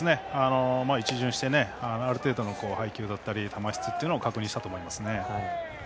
一巡してある程度の配球や球質を確認したと思います。